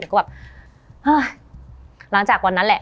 ก็แบบฮะหลังจากวันนั้นแหละ